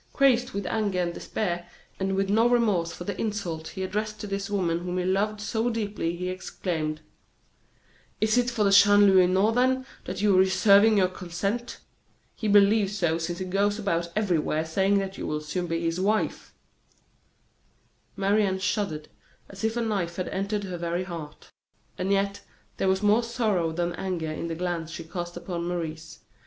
Crazed with anger and despair, and with no remorse for the insult he addressed to this woman whom he loved so deeply, he exclaimed: "Is it for Chanlouineau, then, that you are reserving your consent? He believes so since he goes about everywhere saying that you will soon be his wife." Marie Anne shuddered as if a knife had entered her very heart; and yet there was more sorrow than anger in the glance she cast upon Maurice.